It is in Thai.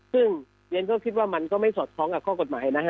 ซึ่งเรียนก็คิดว่ามันก็ไม่สอดคล้องกับข้อกฎหมายนะฮะ